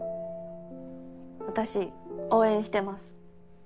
私応援してます。